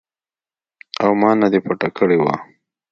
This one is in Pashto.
او ما نه دې پټه کړې وه.